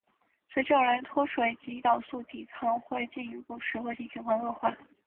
随之而来的脱水及胰岛素抵抗会进一步使恶性循环恶化。